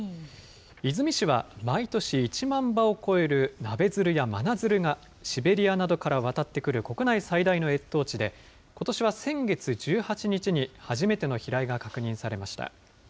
出水市は、毎年１万羽を超えるナベヅルやマナヅルが、シベリアなどから渡ってくる国内最大の越冬地で、ことしは先月１８日に、初めての飛来が確認されました。